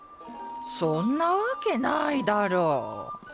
そんなわけないだろう。